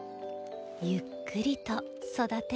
ゆっくりと育てる。